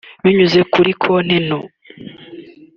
binyuze kuri Konti no